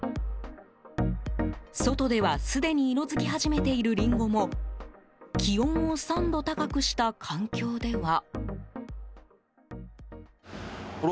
外では、すでに色づき始めているリンゴも気温を３度高くした環境では。